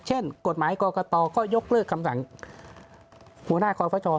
กฎหมายกรกตก็ยกเลิกคำสั่งหัวหน้าคอฟช